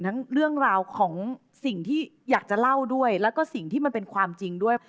เรื่องราวของสิ่งที่อยากจะเล่าด้วยแล้วก็สิ่งที่มันเป็นความจริงด้วย